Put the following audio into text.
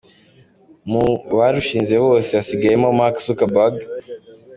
Mu barushinze bose hasigayemo Mark Zuckerberg.